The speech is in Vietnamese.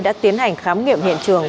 đã tiến hành khám nghiệm hiện trường